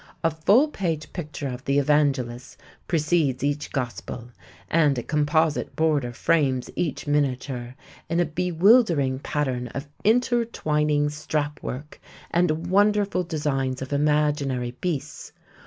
A full page picture of the Evangelist precedes each Gospel, and a composite border frames each miniature in a bewildering pattern of intertwining strapwork and wonderful designs of imaginary beasts.